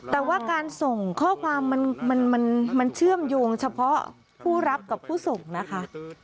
แต่ว่าการส่งข้อความมันเชื่อมโยงเฉพาะผู้รับกับผู้ส่งนะคะ